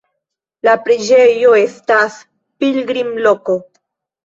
La preĝejo estas pilgrimloko.